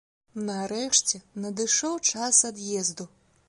Нарэшце надышоў час ад'езду.